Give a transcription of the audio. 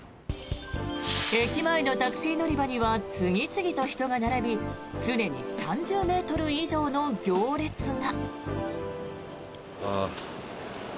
駅前のタクシー乗り場には次々と人が並び常に３０ｍ以上の行列が。